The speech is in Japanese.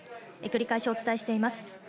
繰り返しお伝えしています。